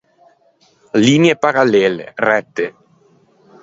Linie parallelle, rette.